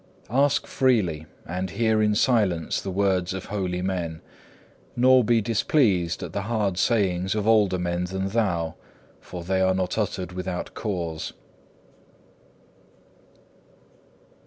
Ask freely, and hear in silence the words of holy men; nor be displeased at the hard sayings of older men than thou, for they are not uttered without cause.